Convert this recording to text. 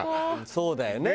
そうだよね